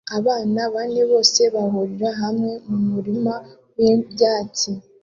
Abana bane bose bahurira hamwe mumurima wibyatsi